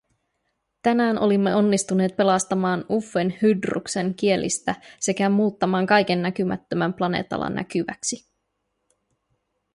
Tänään olimme onnistuneet pelastamaan Uffen Hydruksen kielistä sekä muuttamaan kaiken näkymättömän planeetalla näkyväksi.